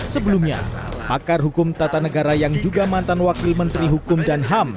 sebelumnya pakar hukum tata negara yang juga mantan wakil menteri hukum dan ham